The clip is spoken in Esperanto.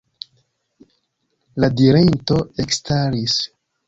La dirinto ekstaris.